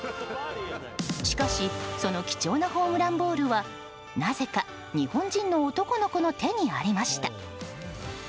しかしその貴重なホームランボールはなぜか日本人の男の子の手にありました。